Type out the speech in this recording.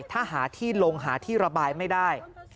ถ้าหาที่ลงหาที่ระบายไม่ได้